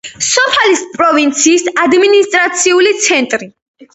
სოფალის პროვინციის ადმინისტრაციული ცენტრი.